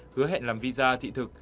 hứa hẹn làm visa thị thực